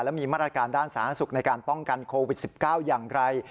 และมีมาตรการด้านสาธารณสุขในการป้องกันโควิด๑๙อย่างไร